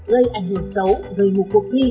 gây ảnh hưởng xấu gây một cuộc thi